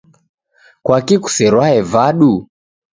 Kwaki' kuserwae vadu?